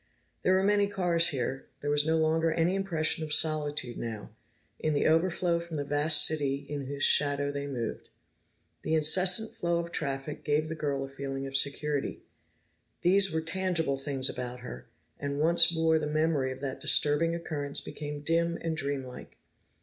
There were many cars here; there was no longer any impression of solitude now, in the overflow from the vast city in whose shadow they moved. The incessant flow of traffic gave the girl a feeling of security; these were tangible things about her, and once more the memory of that disturbing occurrence became dim and dreamlike.